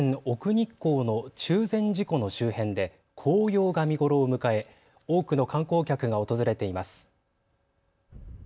日光の中禅寺湖の周辺で紅葉が見頃を迎え多くの観光客が訪れています。